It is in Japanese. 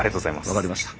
分かりました。